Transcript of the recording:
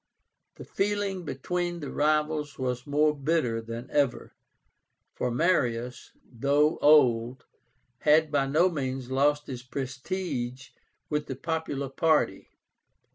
The feeling between the rivals was more bitter than ever, for Marius, though old, had by no means lost his prestige with the popular party.